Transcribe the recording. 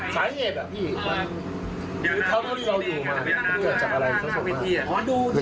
สายเหตุอ่ะพี่เขาที่เราอยู่มาเขาเกิดจากอะไรเขาสมบัติครับ